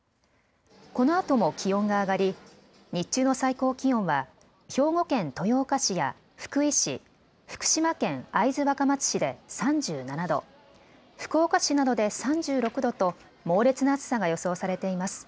このあとも気温が上がり日中の最高気温は兵庫県豊岡市や福井市、福島県会津若松市で３７度、福岡市などで３６度と猛烈な暑さが予想されています。